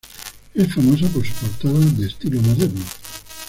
Es famosa por su portada de estilo moderno.